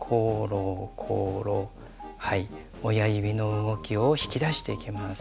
親指の動きを引き出していきます。